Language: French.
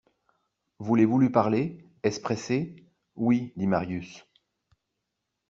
Voulez-vous lui parler ? est-ce pressé ? Oui, dit Marius.